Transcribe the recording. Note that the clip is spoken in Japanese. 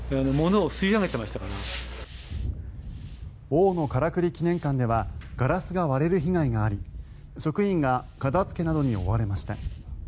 大野からくり記念館ではガラスが割れる被害があり職員が片付けなどに追われました。